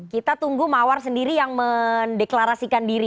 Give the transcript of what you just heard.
kita tunggu mawar sendiri yang mendeklarasikan diri